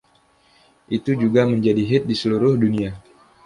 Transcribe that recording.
Itu juga menjadi hit di seluruh dunia.